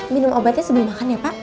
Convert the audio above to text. minum obatnya sebelum makan ya pak